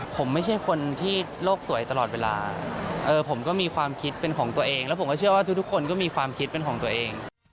ผมไม่ใช่คนที่โลกสวยตลอดเวลาผมก็มีความคิดเป็นของตัวเองแล้วผมก็เชื่อว่าทุกคนก็มีความคิดเป็นของตัวเอง